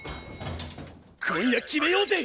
今夜決めようぜ！